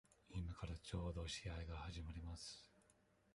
今からちょうど試合が始まります。